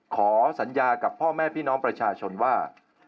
ขอสัญญากับพ่อแม่พี่น้องประชาชนว่า